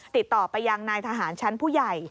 ติดต่อไปยังนายทหารชั้นผู้ใหญ่